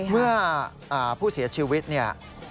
เมื่อผู้เสียชีวิตเนี่ย